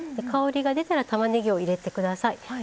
香りが出たらたまねぎを入れて下さい。